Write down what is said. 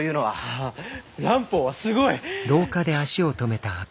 ああ蘭方はすごい！